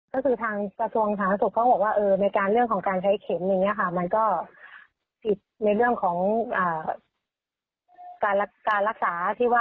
ก็คือทางสวงสาธารณสุขก็บอกว่าในการเรื่องของการใช้เข็มอย่างนี้ค่ะ